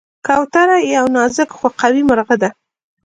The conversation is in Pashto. کوتره یو نازک خو قوي مرغه ده.